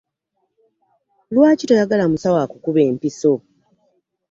Lwaki toyagala musawo akukube empiso?